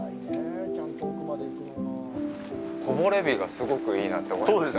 木漏れ日がすごくいいなって思いました。